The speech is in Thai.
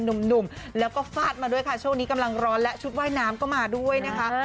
หนุ่มแล้วก็ฟาดมาด้วยค่ะช่วงนี้กำลังร้อนและชุดว่ายน้ำก็มาด้วยนะคะ